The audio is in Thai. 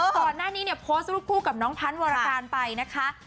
ตอนหน้านี้เนี่ยโพสลูกคู่กับน้องพันเลยนะครับ